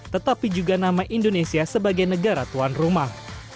tetapi juga nama indonesia sebagai negara tuan rumah